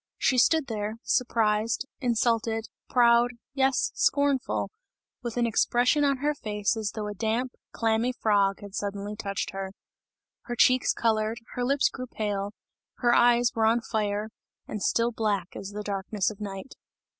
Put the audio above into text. She stood there, surprised, insulted, proud, yes, scornful; with an expression on her face as though a damp, clammy frog had suddenly touched her. Her cheeks coloured, her lips grew pale, her eyes were on fire, and still black as the darkness of night.